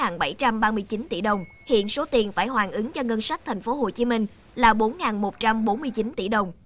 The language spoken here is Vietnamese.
tổng số vốn tp hcm đã tạm ứng cho dự án là bốn bảy trăm ba mươi chín tỷ đồng hiện số tiền phải hoàn ứng cho ngân sách tp hcm là bốn một trăm bốn mươi chín tỷ đồng